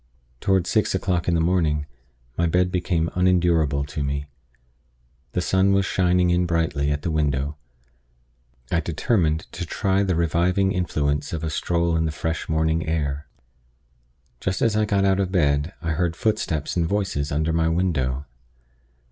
Toward six o'clock in the morning, my bed became unendurable to me. The sun was shining in brightly at the window. I determined to try the reviving influence of a stroll in the fresh morning air. Just as I got out of bed, I heard footsteps and voices under my window.